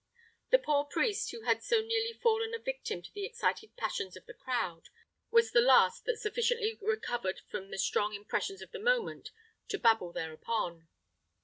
The poor priest, who had so nearly fallen a victim to the excited passions of the crowd, was the last that sufficiently recovered from the strong impressions of the moment to babble thereupon.